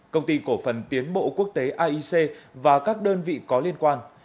công ty cổ phần tiến bộ quốc tế aic và các đơn vị có liên quan